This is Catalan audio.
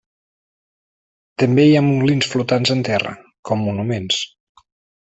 També hi ha molins flotants en terra, com monuments.